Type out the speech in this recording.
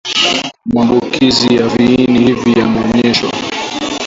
Maambukizi ya viini hivi yameonyeshwa